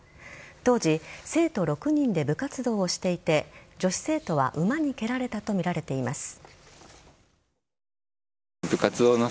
当時生徒６人で部活動をしていて女子生徒は馬に蹴られたとみられています。